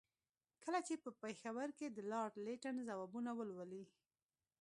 کله چې په پېښور کې د لارډ لیټن ځوابونه ولولي.